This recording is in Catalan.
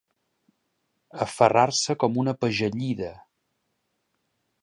Aferrar-se com una pegellida.